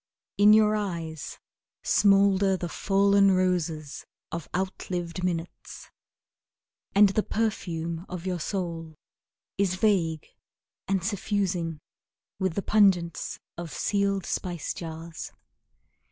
In your eyes Smoulder the fallen roses of out lived minutes, And the perfume of your soul Is vague and suffusing, With the pungence of sealed spice jars.